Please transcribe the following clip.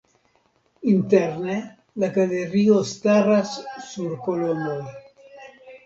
Interne la galerio staras sur kolonoj.